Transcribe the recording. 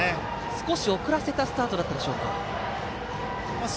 少し遅らせたスタートだったでしょうか。